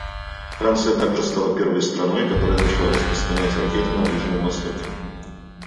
Франция также стала первой страной, которая начала распространять ракеты на Ближнем Востоке.